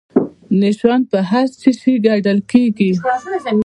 نشان په څه شي ګټل کیږي؟